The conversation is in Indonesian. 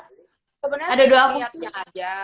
sebenarnya doa putusnya aja